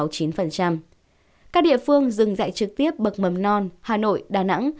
các địa phương dừng dạy trực tiếp bậc mầm non hà nội đà nẵng